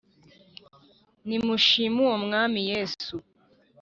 Nimushim' Umwami Yesu :